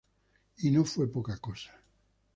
Y no fue poca cosa.